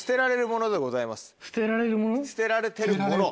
捨てられるもの？